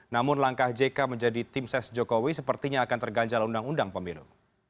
namun langkah jk menjadi tim ses jokowi sepertinya akan terganjal undang undang pemilu